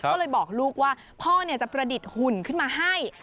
ก็เลยบอกลูกว่าพ่อจะประดิษฐ์หุ่นขึ้นมาให้